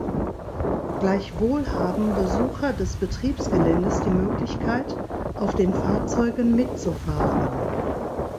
Gleichwohl haben Besucher des Betriebsgeländes die Möglichkeit, auf den Fahrzeugen mitzufahren.